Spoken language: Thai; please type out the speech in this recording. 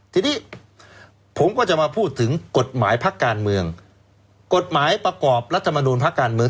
ทีนี้ผมก็จะมาพูดถึงกฎหมายพักการเมืองกฎหมายประกอบรัฐมนูลพักการเมือง